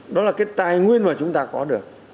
đó là cái tài nguyên mà chúng ta có được